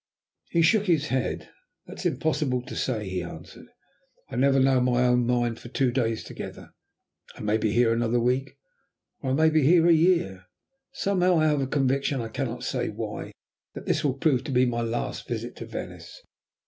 He shook his head. "It is impossible to say," he answered. "I never know my own mind for two days together. I may be here another week, or I may be here a year. Somehow, I have a conviction, I cannot say why, that this will prove to be my last visit to Venice.